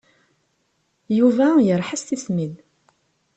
Yuba yerḥa s tismin.